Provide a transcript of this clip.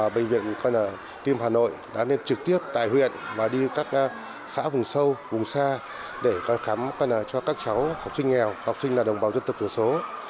bệnh viện tim hà nội đã nên trực tiếp tài huyện và đi các xã vùng sâu vùng xa để khám cho các cháu học sinh nghèo học sinh là đồng bào dân tộc thiểu số